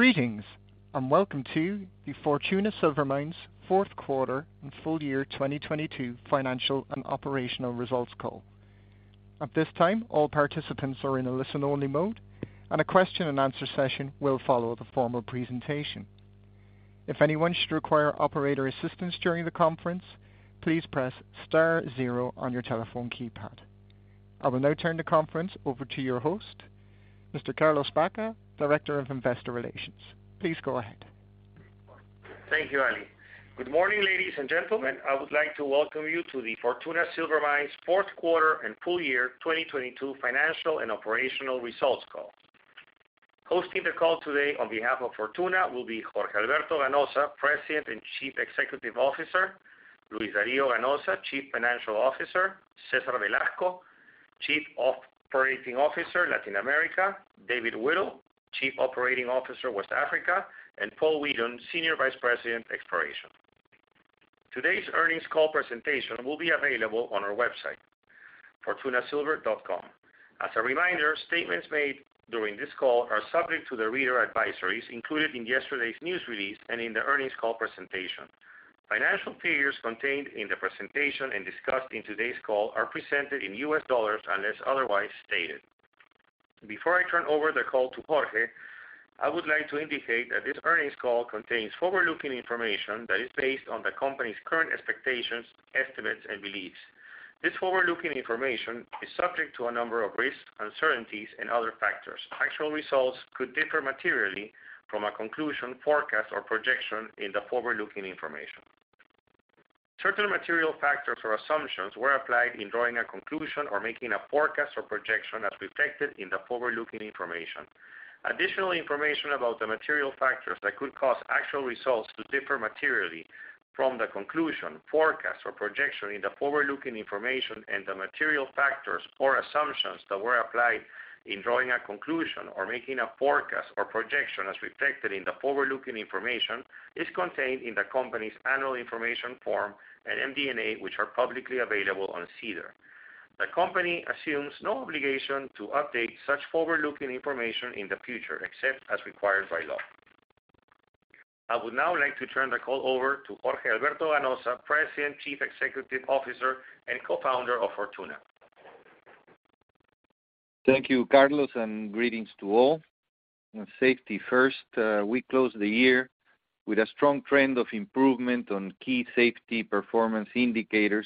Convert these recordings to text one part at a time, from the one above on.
Greetings, and welcome to the Fortuna Silver Mines fourth quarter and full year 2022 financial and operational results call. At this time, all participants are in a listen-only mode, and a question and answer session will follow the formal presentation. If anyone should require operator assistance during the conference, please press * zero on your telephone keypad. I will now turn the conference over to your host, Mr. Carlos Baca, Director of Investor Relations. Please go ahead. Thank you, Ali. Good morning, ladies and gentlemen. I would like to welcome you to the Fortuna Silver Mines fourth quarter and full year 2022 financial and operational results call. Hosting the call today on behalf of Fortuna will be Jorge Alberto Ganoza, President and Chief Executive Officer, Luis Dario Ganoza, Chief Financial Officer, Cesar Velasco, Chief Operating Officer, Latin America, David Whittle, Chief Operating Officer, West Africa, and Paul Weedon, Senior Vice President, Exploration. Today's earnings call presentation will be available on our website, fortunasilver.com. As a reminder, statements made during this call are subject to the reader advisories included in yesterday's news release and in the earnings call presentation. Financial figures contained in the presentation and discussed in today's call are presented in U.S., dollars unless otherwise stated. Before I turn over the call to Jorge, I would like to indicate that this earnings call contains forward-looking information that is based on the company's current expectations, estimates, and beliefs. This forward-looking information is subject to a number of risks, uncertainties, and other factors. Actual results could differ materially from a conclusion, forecast, or projection in the forward-looking information. Certain material factors or assumptions were applied in drawing a conclusion or making a forecast or projection as reflected in the forward-looking information. Additional information about the material factors that could cause actual results to differ materially from the conclusion, forecast, or projection in the forward-looking information and the material factors or assumptions that were applied in drawing a conclusion or making a forecast or projection as reflected in the forward-looking information is contained in the company's annual information form and MD&A, which are publicly available on SEDAR. The company assumes no obligation to update such forward-looking information in the future, except as required by law. I would now like to turn the call over to Jorge Alberto Ganoza, President, Chief Executive Officer, and Co-founder of Fortuna. Thank you, Carlos, and greetings to all. Safety first, we closed the year with a strong trend of improvement on key safety performance indicators,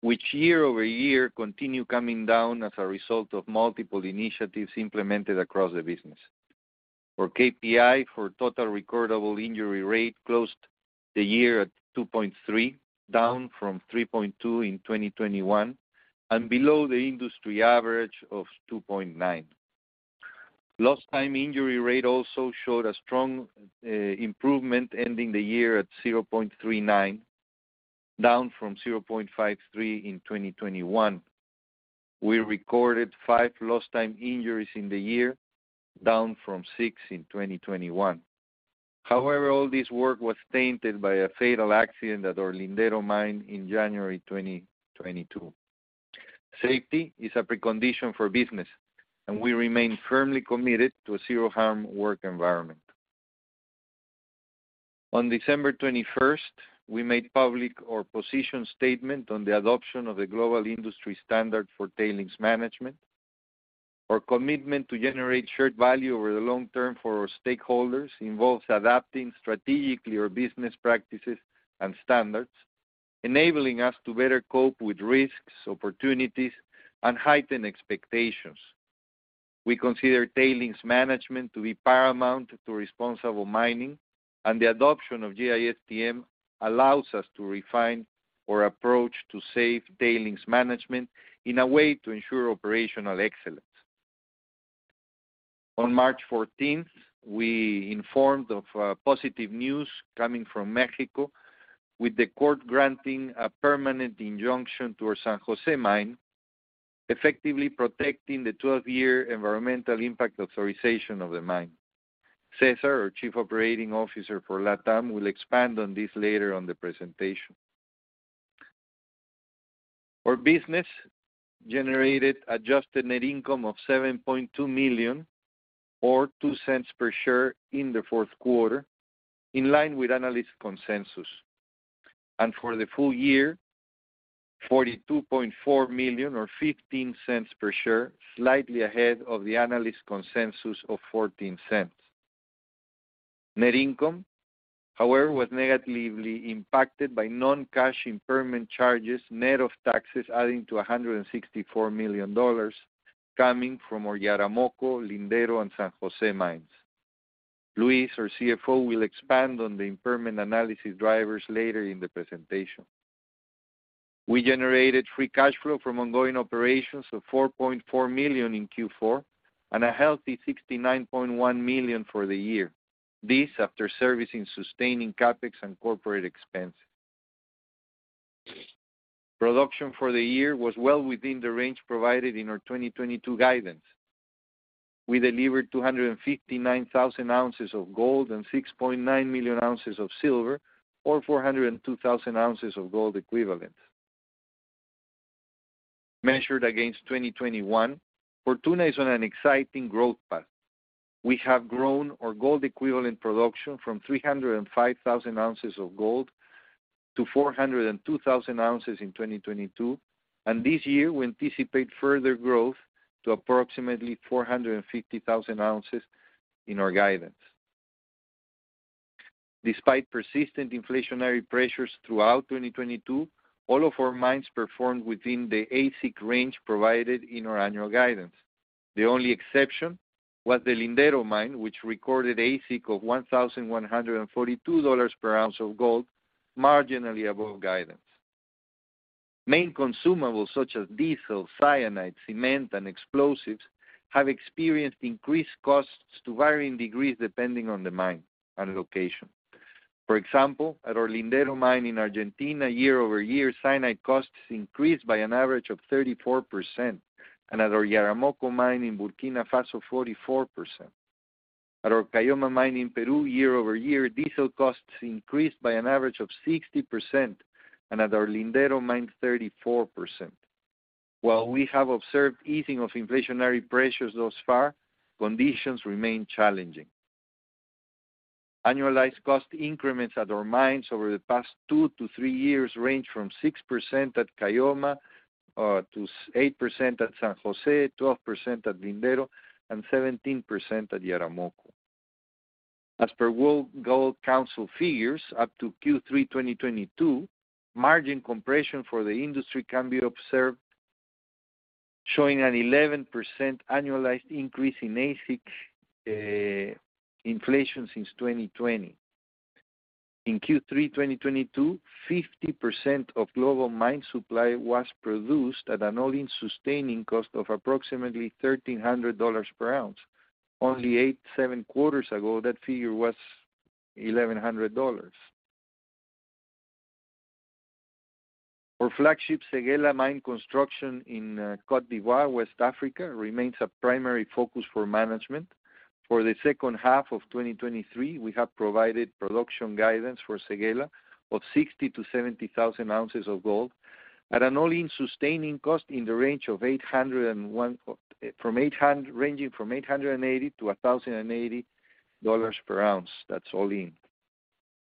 which year-over-year continue coming down as a result of multiple initiatives implemented across the business. For KPI, for total recordable injury rate closed the year at 2.3, down from 3.2 in 2021 and below the industry average of 2.9. Lost time injury rate also showed a strong improvement ending the year at 0.39, down from 0.53 in 2021. We recorded 5 lost time injuries in the year, down from 6 in 2021. However, all this work was tainted by a fatal accident at our Lindero mine in January 2022. Safety is a precondition for business, and we remain firmly committed to a zero-harm work environment. On December 21st, we made public our position statement on the adoption of the Global Industry Standard on Tailings Management. Our commitment to generate shared value over the long term for our stakeholders involves adapting strategically our business practices and standards, enabling us to better cope with risks, opportunities, and heightened expectations. We consider tailings management to be paramount to responsible mining, and the adoption of GISTM allows us to refine our approach to safe tailings management in a way to ensure operational excellence. On March 14th, we informed of positive news coming from Mexico with the court granting a permanent injunction to our San Jose Mine, effectively protecting the 12-year environmental impact authorization of the Mine. Cesar, our Chief Operating Officer for Latam, will expand on this later on the presentation. Our business generated adjusted net income of $7.2 million or $0.02 per share in the fourth quarter, in line with analyst consensus. For the full year, $42.4 million or $0.15 per share, slightly ahead of the analyst consensus of $0.14. Net income, however, was negatively impacted by non-cash impairment charges, net of taxes adding to $164 million coming from our Yaramoko, Lindero, and San Jose mines. Luis, our CFO, will expand on the impairment analysis drivers later in the presentation. We generated free cash flow from ongoing operations of $4.4 million in Q4 and a healthy $69.1 million for the year. This after servicing sustaining CapEx and corporate expense. Production for the year was well within the range provided in our 2022 guidance. We delivered 259,000 ounces of gold and 6.9 million ounces of silver or 402,000 ounces of gold equivalent. Measured against 2021, Fortuna is on an exciting growth path. We have grown our gold equivalent production from 305,000 ounces of gold to 402,000 ounces in 2022. This year we anticipate further growth to approximately 450,000 ounces in our guidance. Despite persistent inflationary pressures throughout 2022, all of our mines performed within the AISC range provided in our annual guidance. The only exception was the Lindero Mine, which recorded AISC of $1,142 per ounce of gold, marginally above guidance. Main consumables such as diesel, cyanide, cement, and explosives have experienced increased costs to varying degrees, depending on the mine and location. For example, at our Lindero Mine in Argentina, year-over-year cyanide costs increased by an average of 34% and at our Yaramoko Mine in Burkina Faso, 44%. At our Caylloma Mine in Peru, year-over-year, diesel costs increased by an average of 60% and at our Lindero Mine, 34%. While we have observed easing of inflationary pressures thus far, conditions remain challenging. Annualized cost increments at our mines over the past two to three years range from 6% at Caylloma, to 8% at San Jose, 12% at Lindero, and 17% at Yaramoko. As per World Gold Council figures up to Q3 2022, margin compression for the industry can be observed, showing an 11% annualized increase in AISC inflation since 2020. In Q3 2022, 50% of global mine supply was produced at an all-in sustaining cost of approximately $1,300 per ounce. Only seven quarters ago, that figure was $1,100. Our flagship Séguéla Mine construction in Côte d'Ivoire, West Africa, remains a primary focus for management. For the second half of 2023, we have provided production guidance for Séguéla of 60,000-70,000 ounces of gold at an all-in sustaining cost ranging from $880 to $1,080 per ounce. That's all in.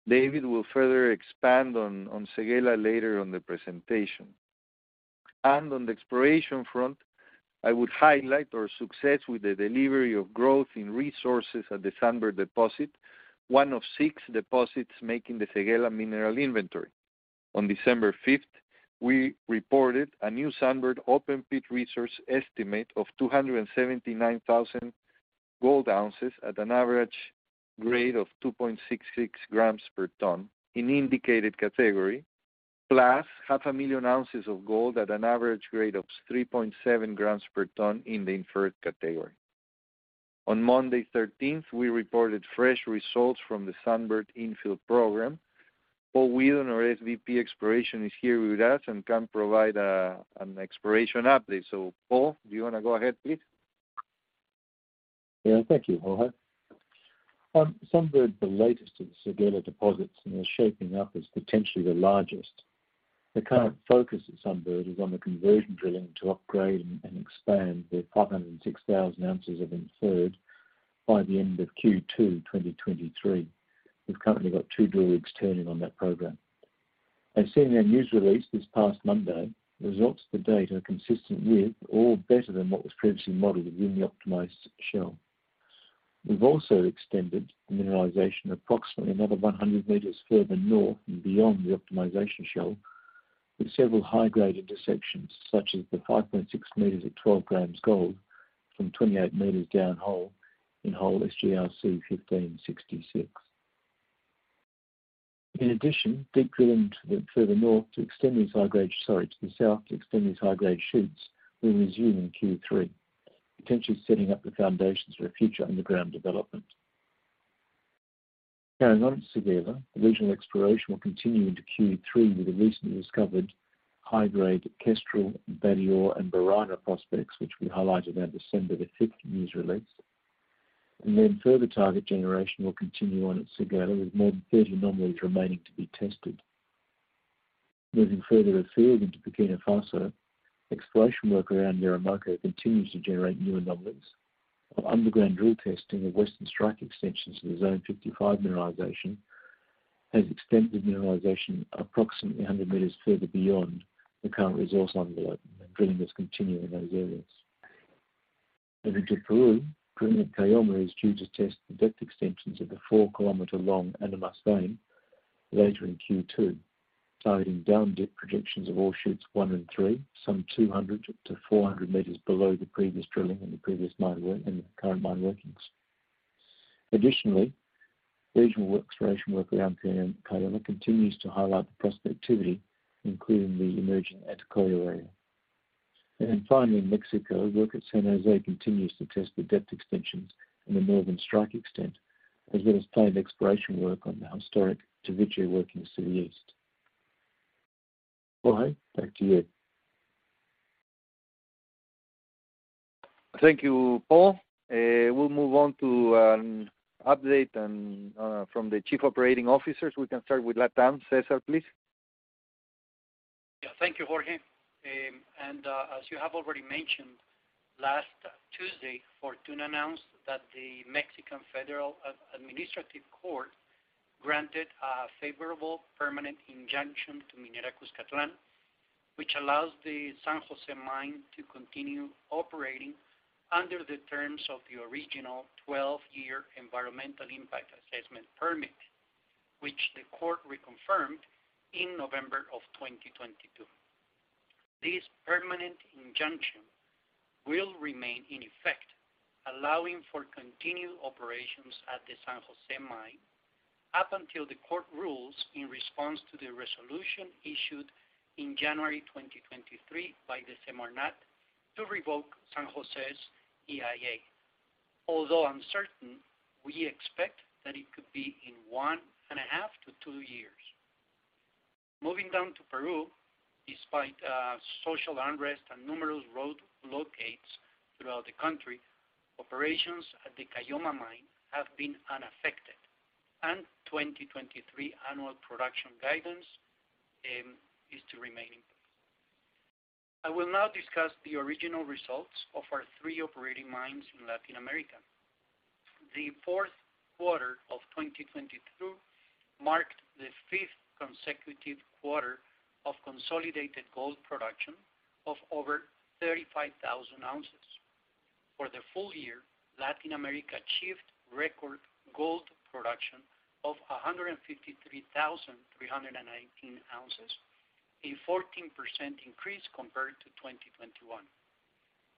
David will further expand on Séguéla later on the presentation. On the exploration front, I would highlight our success with the delivery of growth in resources at the Sunbird deposit, one of six deposits making the Séguéla mineral inventory. On December 5, we reported a new Sunbird open pit resource estimate of 279,000 gold ounces at an average grade of 2.66 grams per ton in indicated category, plus half a million ounces of gold at an average grade of 3.7 grams per ton in the inferred category. On Monday 13, we reported fresh results from the Sunbird infill program. Paul Weedon, our SVP Exploration, is here with us and can provide an exploration update. Paul, do you wanna go ahead, please? Yeah. Thank you, Jorge. Sunbird's the latest of the Séguéla deposits, and it's shaping up as potentially the largest. The current focus at Sunbird is on the conversion drilling to upgrade and expand the 506,000 ounces of inferred by the end of Q2 2023. We've currently got 2 drill rigs turning on that program. As seen in our news release this past Monday, the results to date are consistent with or better than what was previously modeled within the optimized shell. We've also extended mineralization approximately another 100 meters further north and beyond the optimization shell, with several high-grade intersections such as the 5.6 meters at 12 grams gold from 28 meters downhole in hole SGRC1566. In addition, deep drilling further north to extend these high-grade... Sorry, to the south to extend these high-grade shoots will resume in Q3, potentially setting up the foundations for a future underground development. Carrying on at Séguéla, regional exploration will continue into Q3 with the recently discovered high-grade Kestrel, Badior, and Barana prospects, which we highlighted on December 5th news release. Further target generation will continue on at Séguéla, with more than 30 anomalies remaining to be tested. Moving further afield into Burkina Faso, exploration work around Yaramoko continues to generate new anomalies. Underground drill testing of western strike extensions to the Zone 55 mineralization has extended mineralization approximately 100 meters further beyond the current resource envelope, and drilling is continuing in those areas. Moving to Peru, drilling at Caylloma is due to test the depth extensions of the 4-kilometer long Animas later in Q2, targeting down-dip projections of ore shoots one and three, some 200 to 400 meters below the previous drilling and the current mine workings. Additionally, regional exploration work around Caylloma continues to highlight the prospectivity, including the emerging Atcoya area. Finally in Mexico, work at San Jose continues to test the depth extensions in the northern strike extent, as well as planned exploration work on the historic Taviche working to the east. Jorge, back to you. Thank you, Paul. We'll move on to update and from the chief operating officers. We can start with LatAm. Cesar, please. Yeah, thank you, Jorge. As you have already mentioned, last Tuesday, Fortuna announced that the Mexican Federal Administrative Court granted a favorable permanent injunction to Minera Cuzcatlán, which allows the San Jose Mine to continue operating under the terms of the original 12-year environmental impact assessment permit, which the court reconfirmed in November 2022. This permanent injunction will remain in effect, allowing for continued operations at the San Jose Mine up until the court rules in response to the resolution issued in January 2023 by the SEMARNAT to revoke San Jose's EIA. Although uncertain, we expect that it could be in 1.5 to 2 years. Moving down to Peru, despite social unrest and numerous road blockades throughout the country, operations at the Caylloma Mine have been unaffected, and 2023 annual production guidance is to remain in place. I will now discuss the original results of our 3 operating mines in Latin America. The fourth quarter of 2022 marked the fifth consecutive quarter of consolidated gold production of over 35,000 ounces. For the full year, Latin America achieved record gold production of 153,319 ounces, a 14% increase compared to 2021.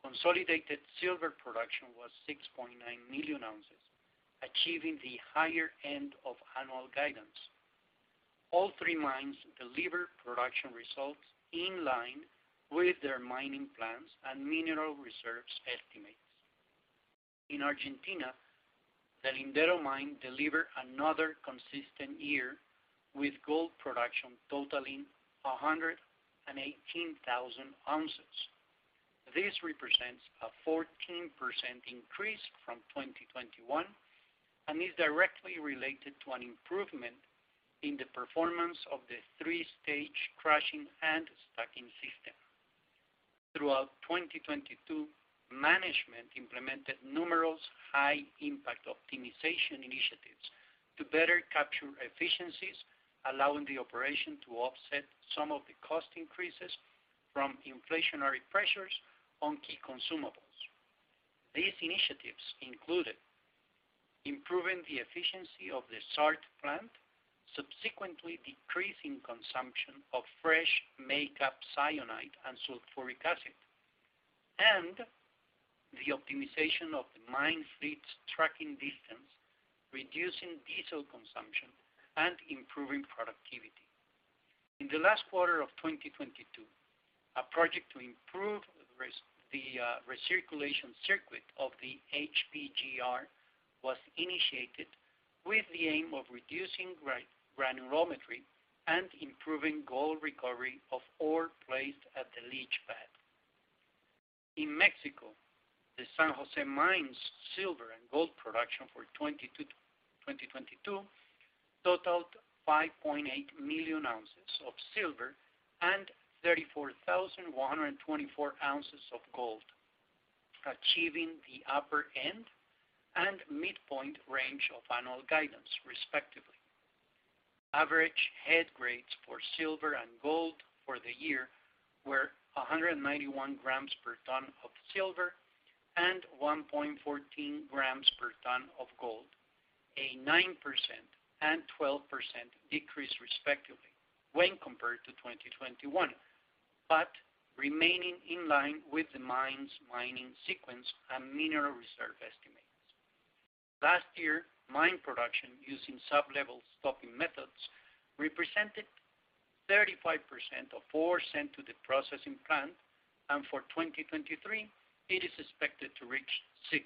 Consolidated silver production was 6.9 million ounces, achieving the higher end of annual guidance. All 3 mines delivered production results in line with their mining plans and mineral reserves estimates. In Argentina, the Lindero Mine delivered another consistent year, with gold production totaling 118,000 ounces. This represents a 14% increase from 2021 and is directly related to an improvement in the performance of the 3-stage crushing and stacking system. Throughout 2022, management implemented numerous high impact optimization initiatives to better capture efficiencies, allowing the operation to offset some of the cost increases from inflationary pressures on key consumables. These initiatives included improving the efficiency of the SART plant, subsequently decreasing consumption of fresh makeup cyanide and sulfuric acid, and the optimization of the mine fleet's trucking distance, reducing diesel consumption and improving productivity. In the last quarter of 2022, a project to improve the recirculation circuit of the HPGR was initiated with the aim of reducing granulometry and improving gold recovery of ore placed at the leach pad. In Mexico, the San Jose Mine's silver and gold production for 2022 totaled 5.8 million ounces of silver and 34,124 ounces of gold, achieving the upper end and midpoint range of annual guidance, respectively. Average head grades for silver and gold for the year were 191 grams per ton of silver and 1.14 grams per ton of gold, a 9% and 12% decrease, respectively, when compared to 2021, remaining in line with the mine's mining sequence and mineral reserve estimates. Last year, mine production using sublevel stoping methods represented 35% of ore sent to the processing plant, and for 2023, it is expected to reach 60%.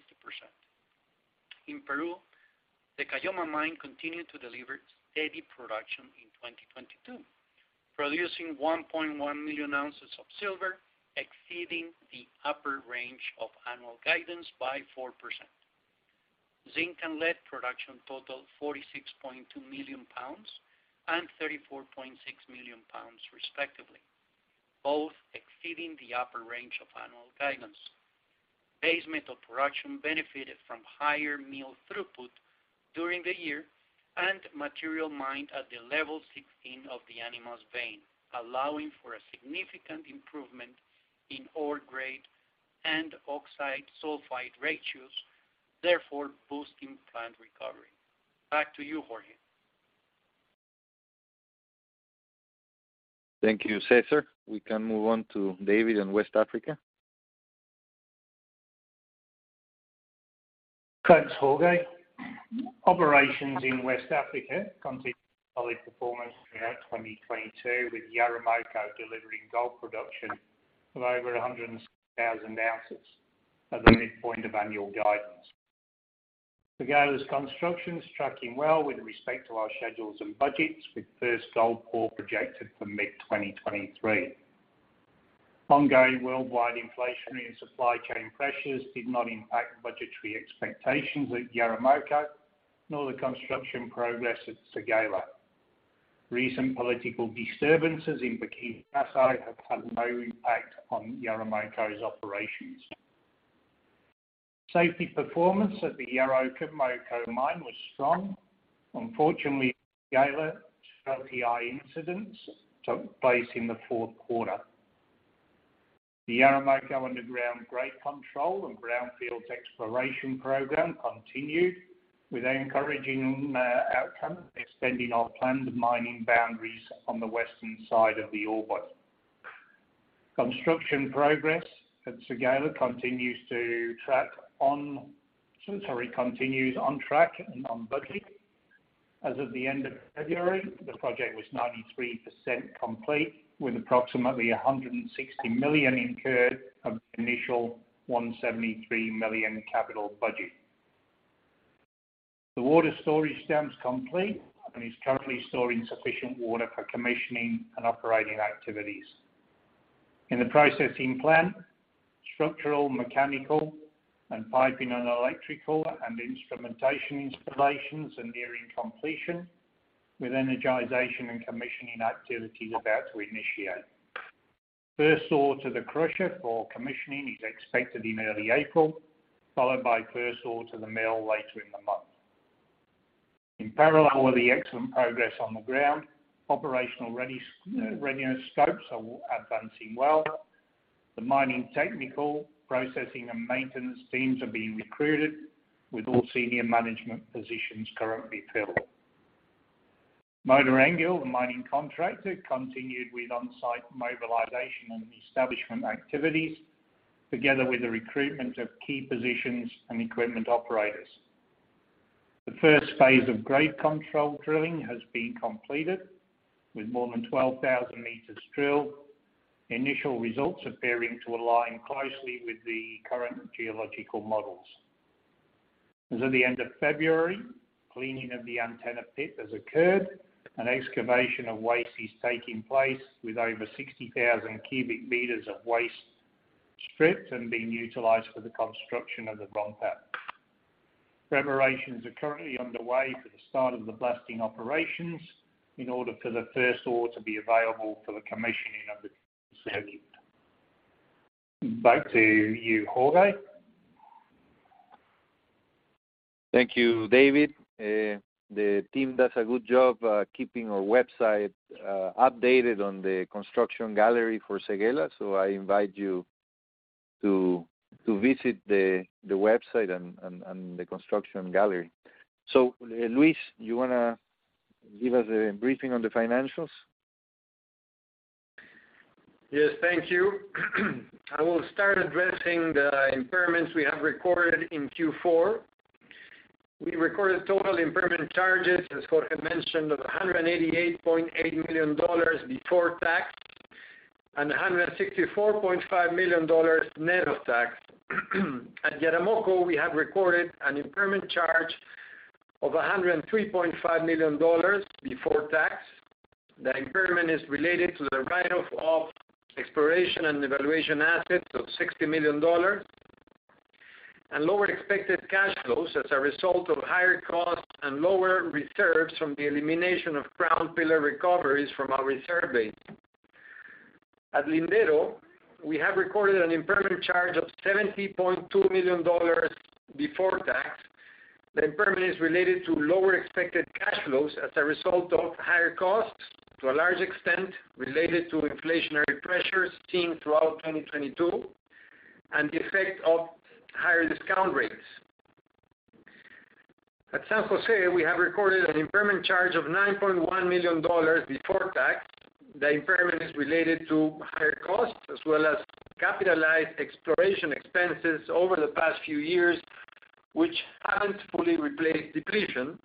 In Peru, the Caylloma Mine continued to deliver steady production in 2022, producing 1.1 million ounces of silver, exceeding the upper range of annual guidance by 4%. Zinc and lead production totaled 46.2 million pounds and 34.6 million pounds, respectively, both exceeding the upper range of annual guidance. Base metal production benefited from higher mill throughput during the year and material mined at the level 16 of the Animas vein, allowing for a significant improvement in ore grade and oxide sulfide ratios, therefore boosting plant recovery. Back to you, Jorge. Thank you, Cesar. We can move on to David in West Africa. Thanks, Jorge. Operations in West Africa continued solid performance throughout 2022, with Yaramoko delivering gold production of over 106,000 ounces at the midpoint of annual guidance. Séguéla's construction is tracking well with respect to our schedules and budgets, with first gold pour projected for mid-2023. Ongoing worldwide inflationary and supply chain pressures did not impact budgetary expectations at Yaramoko, nor the construction progress at Séguéla. Recent political disturbances in Burkina Faso have had no impact on Yaramoko's operations. Safety performance at the Yaramoko mine was strong. Unfortunately, at Séguéla, 2 TI incidents took place in the fourth quarter. The Yaramoko underground grade control and greenfields exploration program continued with encouraging outcome, extending our planned mining boundaries on the western side of the ore body. Construction progress at Séguéla continues on track and on budget. As of the end of February, the project was 93% complete, with approximately $160 million incurred of the initial $173 million capital budget. The water storage dam is complete and is currently storing sufficient water for commissioning and operating activities. In the processing plant, structural, mechanical, and piping and electrical and instrumentation installations are nearing completion, with energization and commissioning activities about to initiate. First ore to the crusher for commissioning is expected in early April, followed by first ore to the mill later in the month. In parallel with the excellent progress on the ground, operational readiness scopes are advancing well. The mining technical, processing, and maintenance teams are being recruited, with all senior management positions currently filled. Mota-Engil, the mining contractor, continued with on-site mobilization and establishment activities together with the recruitment of key positions and equipment operators. The first phase of grade control drilling has been completed, with more than 12,000 meters drilled. Initial results appearing to align closely with the current geological models. As of the end of February, cleaning of the Antenna pit has occurred and excavation of waste is taking place with over 60,000 cubic meters of waste stripped and being utilized for the construction of the dump pit. Preparations are currently underway for the start of the blasting operations in order for the first ore to be available for the commissioning of the. Back to you, Jorge. Thank you, David. The team does a good job keeping our website updated on the construction gallery for Séguéla. I invite you to visit the website and the construction gallery. Luis, you wanna give us a briefing on the financials? Yes, thank you. I will start addressing the impairments we have recorded in Q4. We recorded total impairment charges, as Jorge had mentioned, of $188.8 million before tax and $164.5 million net of tax. At Yaramoko, we have recorded an impairment charge of $103.5 million before tax. The impairment is related to the write-off of exploration and evaluation assets of $60 million and lower expected cash flows as a result of higher costs and lower reserves from the elimination of crown pillar recoveries from our reserve base. At Lindero, we have recorded an impairment charge of $70.2 million before tax. The impairment is related to lower expected cash flows as a result of higher costs, to a large extent related to inflationary pressures seen throughout 2022, and the effect of higher discount rates. At San Jose, we have recorded an impairment charge of $9.1 million before tax. The impairment is related to higher costs as well as capitalized exploration expenses over the past few years, which haven't fully replaced depletion.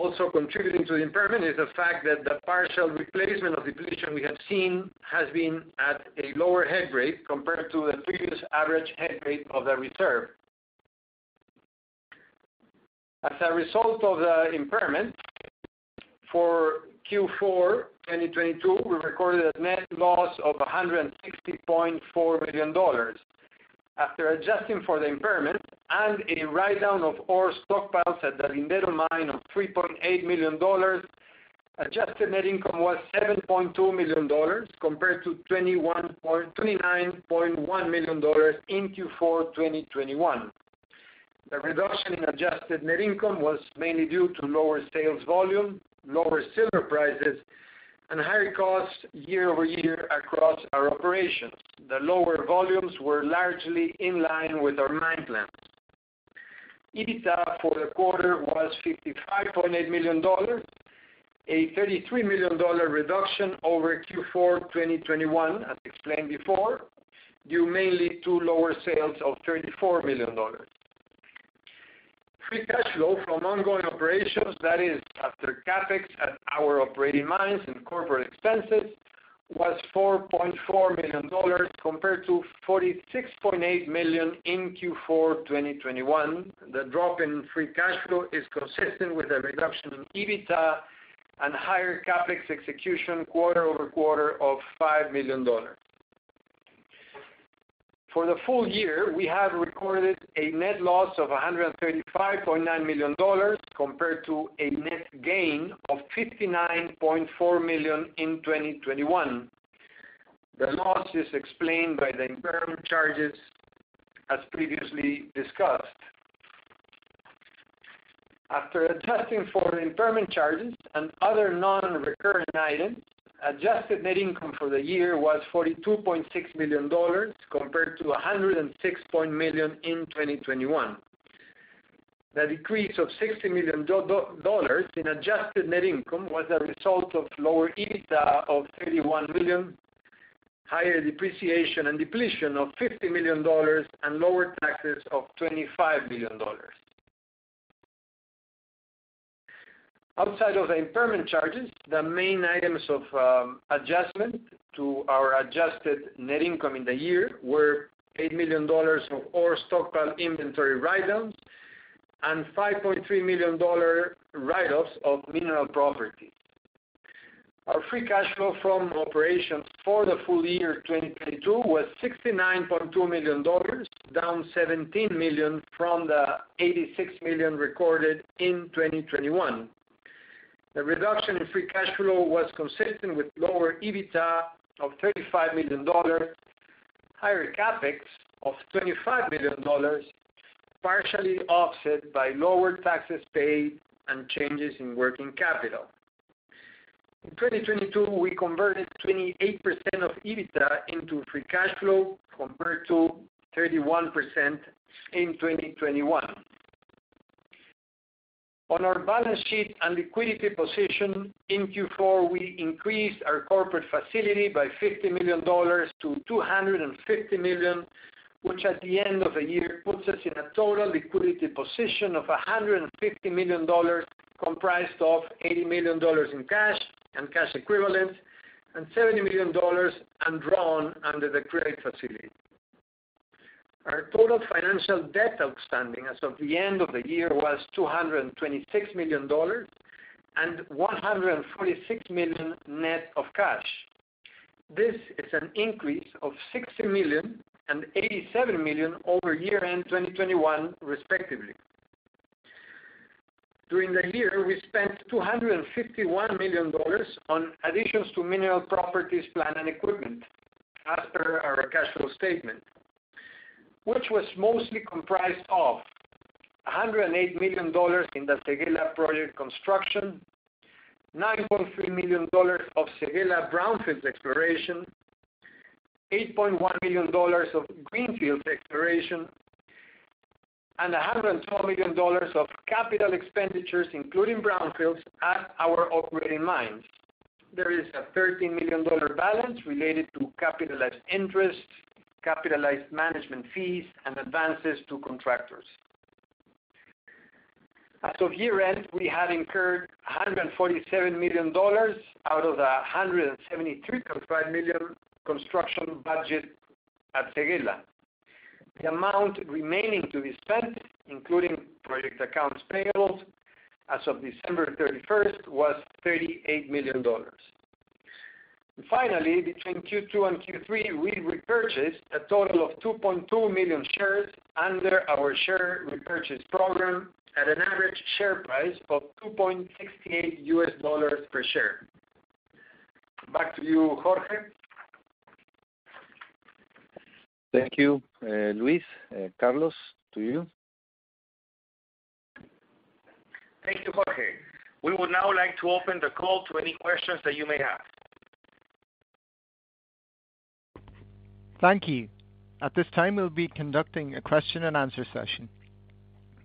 Also contributing to the impairment is the fact that the partial replacement of depletion we have seen has been at a lower head grade compared to the previous average head grade of the reserve. As a result of the impairment for Q4 2022, we recorded a net loss of $160.4 million. After adjusting for the impairment and a write-down of ore stockpiles at the Lindero mine of $3.8 million, adjusted net income was $7.2 million compared to $29.1 million in Q4 2021. The reduction in adjusted net income was mainly due to lower sales volume, lower silver prices, and higher costs year-over-year across our operations. The lower volumes were largely in line with our mine plans. EBITDA for the quarter was $55.8 million, a $33 million reduction over Q4 2021, as explained before, due mainly to lower sales of $34 million. Free cash flow from ongoing operations, that is after CapEx at our operating mines and corporate expenses was $4.4 million compared to $46.8 million in Q4 2021. The drop in free cash flow is consistent with a reduction in EBITDA and higher CapEx execution quarter-over-quarter of $5 million. For the full year, we have recorded a net loss of $135.9 million compared to a net gain of $59.4 million in 2021. The loss is explained by the impairment charges as previously discussed. After adjusting for the impairment charges and other non-recurrent items, adjusted net income for the year was $42.6 million compared to $106 million in 2021. The decrease of $60 million in adjusted net income was a result of lower EBITDA of $31 million, higher depreciation and depletion of $50 million, and lower taxes of $25 million. Outside of the impairment charges, the main items of adjustment to our adjusted net income in the year were $8 million of ore stockpile inventory write-downs and $5.3 million write-offs of mineral properties. Our free cash flow from operations for the full year 2022 was $69.2 million, down $17 million from the $86 million recorded in 2021. The reduction in free cash flow was consistent with lower EBITDA of $35 million, higher CapEx of $25 million, partially offset by lower taxes paid and changes in working capital. In 2022, we converted 28% of EBITDA into free cash flow compared to 31% in 2021. On our balance sheet and liquidity position in Q4, we increased our corporate facility by $50 million to $250 million, which at the end of the year puts us in a total liquidity position of $150 million, comprised of $80 million in cash and cash equivalents and $70 million undrawn under the credit facility. Our total financial debt outstanding as of the end of the year was $226 million and $146 million net of cash. This is an increase of $60 million and $87 million over year-end 2021, respectively. During the year, we spent $251 million on additions to mineral properties, plant, and equipment as per our cash flow statement, which was mostly comprised of $108 million in the Séguéla project construction, $9.3 million of Séguéla brownfields exploration, $8.1 million of greenfields exploration, and $102 million of capital expenditures, including brownfields at our operating mines. There is a $13 million balance related to capitalized interest, capitalized management fees, and advances to contractors. As of year-end, we had incurred $147 million out of the $173.5 million construction budget at Séguéla. The amount remaining to be spent, including project accounts payables, as of December 31st, was $38 million. Finally, between Q2 and Q3, we repurchased a total of 2.2 million shares under our share repurchase program at an average share price of $2.68 per share. Back to you, Jorge. Thank you, Luis. Carlos, to you. Thank you, Jorge. We would now like to open the call to any questions that you may have. Thank you. At this time, we'll be conducting a question and answer session.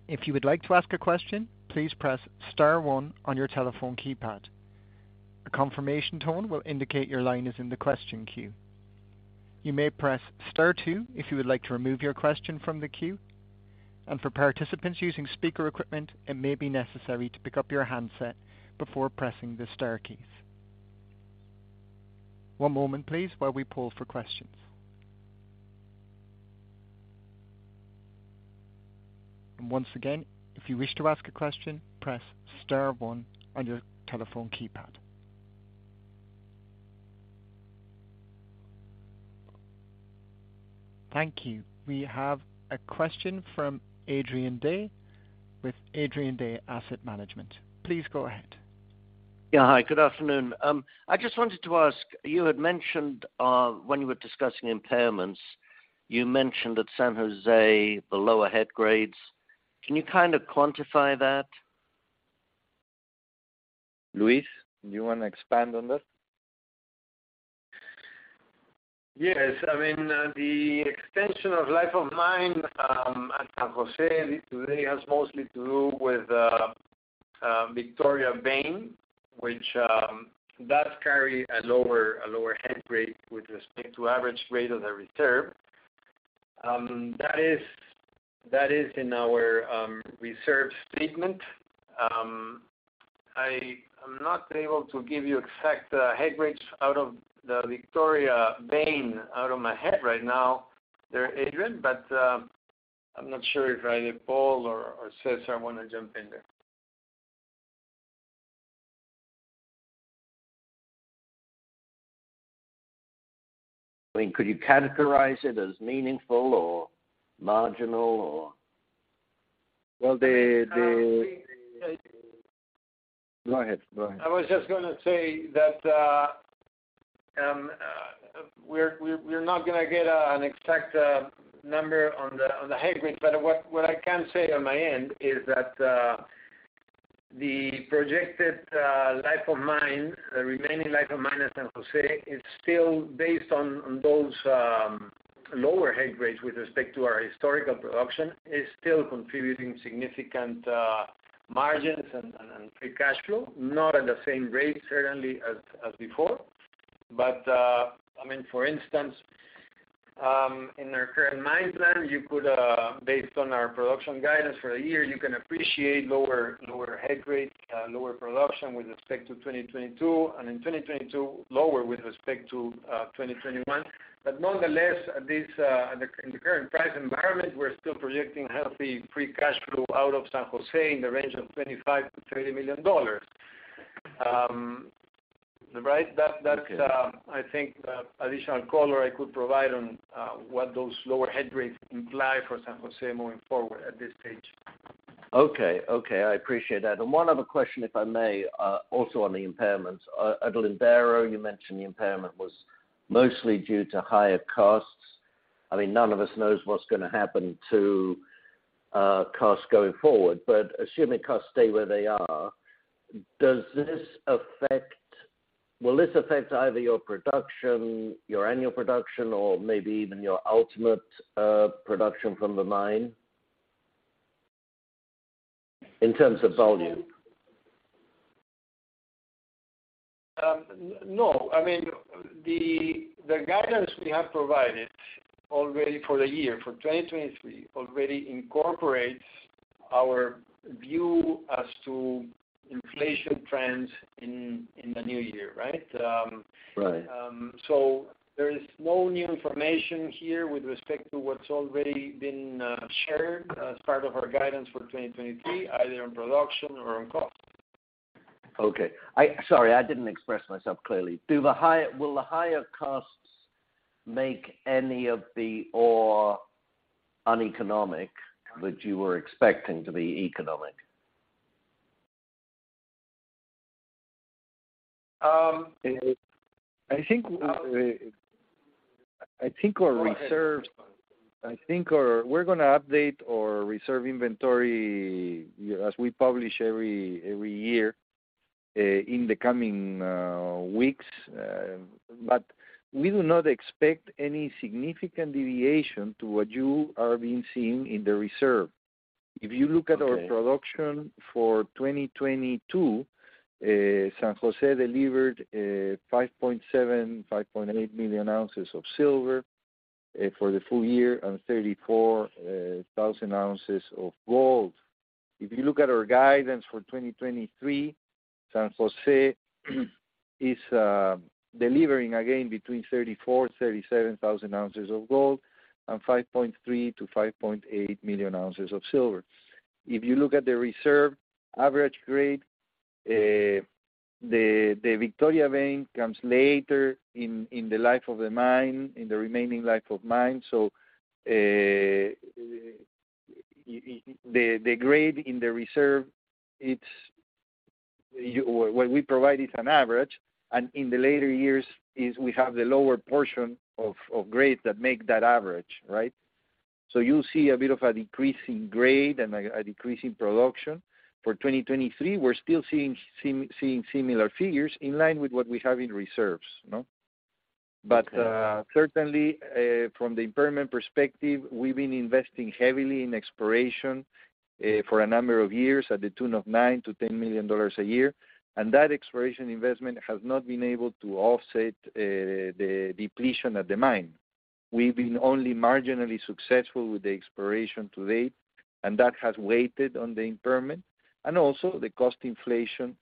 If you would like to ask a question, please press * one on your telephone keypad. A confirmation tone will indicate your line is in the question queue. You may press * two if you would like to remove your question from the queue. For participants using speaker equipment, it may be necessary to pick up your handset before pressing the * keys. One moment, please, while we poll for questions. Once again, if you wish to ask a question, press * one on your telephone keypad. Thank you. We have a question from Adrian Day with Adrian Day Asset Management. Please go ahead. Yeah. Hi, good afternoon. I just wanted to ask, you had mentioned, when you were discussing impairments, you mentioned that San Jose, the lower head grades. Can you kind of quantify that? Luis, do you wanna expand on that? Yes. I mean, the extension of life of mine at San Jose today has mostly to do with Victoria vein, which does carry a lower head grade with respect to average grade of the reserve. That is in our reserve statement. I am not able to give you exact head grades out of the Victoria vein out of my head right now there, Adrian, but I'm not sure if either Paul or Cesar wanna jump in there. I mean, could you categorize it as meaningful or marginal or? Well. Go ahead. Go ahead. I was just gonna say that we're not gonna get an exact number on the head grade. What I can say on my end is that the projected life of mine, the remaining life of mine at San Jose is still based on those lower head grades with respect to our historical production, is still contributing significant margins and free cash flow. Not at the same rate certainly as before. I mean, for instance, in our current mine plan, you could, based on our production guidance for the year, you can appreciate lower head grade, lower production with respect to 2022. In 2022, lower with respect to 2021. Nonetheless, in the current price environment, we're still projecting healthy free cash flow out of San Jose in the range of $25 million-$30 million. right? That's, I think additional color I could provide on what those lower head grades imply for San Jose moving forward at this stage. Okay. Okay, I appreciate that. One other question, if I may, also on the impairments. At Lindero, you mentioned the impairment was mostly due to higher costs. I mean, none of us knows what's gonna happen to costs going forward. Assuming costs stay where they are, will this affect either your production, your annual production, or maybe even your ultimate production from the mine? In terms of volume. No. I mean, the guidance we have provided already for the year, for 2023, already incorporates our view as to inflation trends in the new year, right? Right. There is no new information here with respect to what's already been shared as part of our guidance for 2023, either on production or on cost. Sorry, I didn't express myself clearly. Will the higher costs make any of the ore uneconomic that you were expecting to be economic? Um- I think our reserves- Go ahead. I think We're gonna update our reserve inventory, as we publish every year, in the coming weeks. We do not expect any significant deviation to what you are being seeing in the reserve. Okay. If you look at our production for 2022, San Jose delivered 5.7-5.8 million ounces of silver for the full year, and 34,000 ounces of gold. If you look at our guidance for 2023, San Jose is delivering again between 34,000-37,000 ounces of gold and 5.3-5.8 million ounces of silver. If you look at the reserve average grade, the Victoria vein comes later in the life of the mine, in the remaining life of mine. The grade in the reserve, what we provide is an average, and in the later years is we have the lower portion of grade that make that average, right? You'll see a bit of a decrease in grade and a decrease in production. For 2023, we're still seeing similar figures in line with what we have in reserves, no? Okay. Certainly, from the impairment perspective, we've been investing heavily in exploration for a number of years at the tune of $9 million-$10 million a year. That exploration investment has not been able to offset the depletion at the mine. We've been only marginally successful with the exploration to date, and that has weighted on the impairment. Also the cost inflation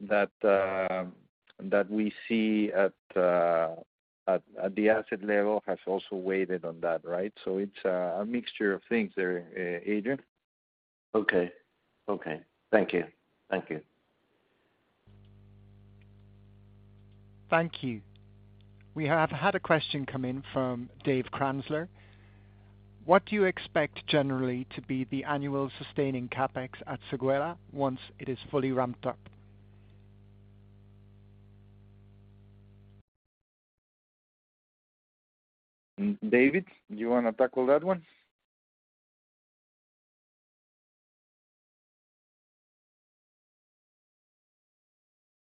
that we see at the asset level has also weighted on that, right? It's a mixture of things there, Adrian. Okay. Okay. Thank you. Thank you. Thank you. We have had a question come in from Dave Kranzler. What do you expect generally to be the annual sustaining CapEx at Séguéla once it is fully ramped up? David, do you wanna tackle that one?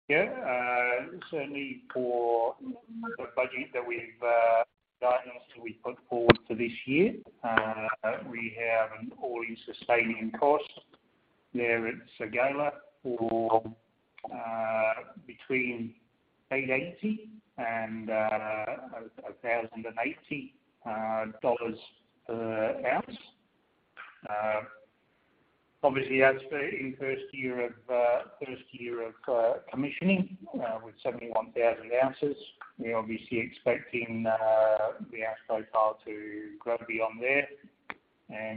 Yeah. Certainly for the budget that we've guidance that we put forward for this year, we have an All-in Sustaining Cost at Séguéla for between $880 and $1,080 per ounce. Obviously that's the first year of commissioning, with 71,000 ounces. We're obviously expecting the ounce profile to grow beyond there.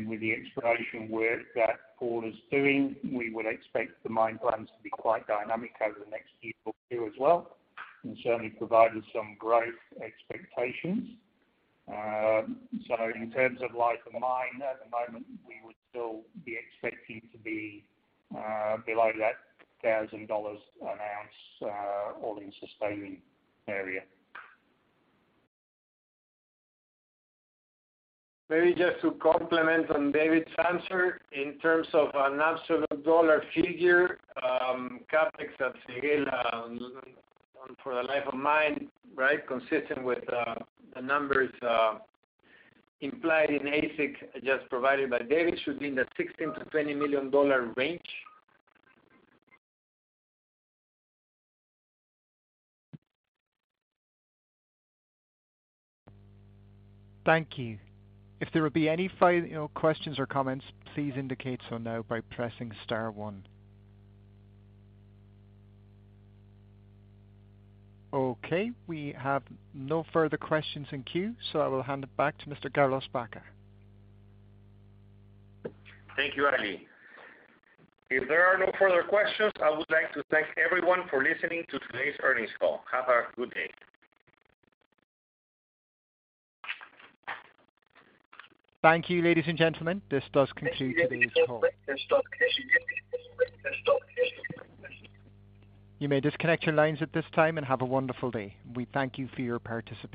With the exploration work that Paul is doing, we would expect the mine plans to be quite dynamic over the next year or two as well, and certainly provide us some growth expectations. In terms of life of the mine at the moment, we would still be expecting to be below that $1,000 an ounce All-in Sustaining area. Maybe just to complement on David's answer. In terms of an absolute dollar figure, CapEx at Séguéla on for the life of mine, right, consistent with the numbers implied in AISC just provided by David, should be in the $16 million-$20 million range. Thank you. If there will be any questions or comments, please indicate so now by pressing * 1. Okay. We have no further questions in queue, I will hand it back to Mr. Carlos Baca. Thank you, Ali. If there are no further questions, I would like to thank everyone for listening to today's earnings call. Have a good day. Thank you, ladies and gentlemen. This does conclude today's call. You may disconnect your lines at this time and have a wonderful day. We thank you for your participation.